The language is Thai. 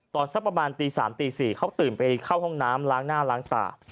สักประมาณตี๓ตี๔เขาตื่นไปเข้าห้องน้ำล้างหน้าล้างตา